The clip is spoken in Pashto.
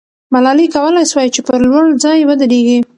ملالۍ کولای سوای چې پر لوړ ځای ودریږي.